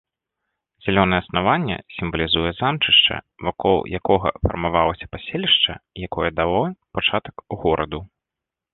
Зялёнае аснаванне сімвалізуе замчышча, вакол якога фармавалася паселішча, якое дало пачатак гораду.